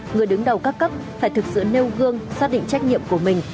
người đứng đầu các cấp phải thực sự nêu gương xác định trách nhiệm của mình